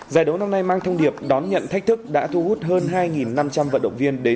giải đấu năm nay mang thông điệp đón nhận thách thức đã thu hút hơn hai năm trăm linh vận động viên đến